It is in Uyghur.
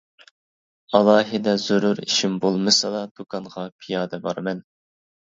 ئالاھىدە زۆرۈر ئىشىم بولمىسىلا دۇكانغا پىيادە بارىمەن.